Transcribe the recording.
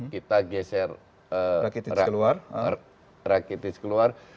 kita geser rakitic keluar